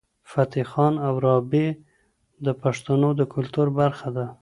فتح خان او رابعه د پښتنو د کلتور برخه ده.